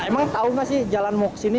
emang tau gak sih jalan mau kesini